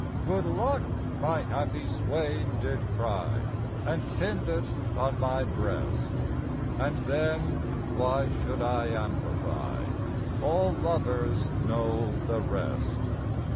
" Good luck !" my happy swain did cry, And pinned it on my breast ; And then — why should I amplify ?— All lovers know the rest.